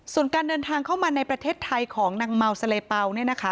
ส่วนการเดินทางเข้ามาในประเทศไทยของนางเมาเสลเปา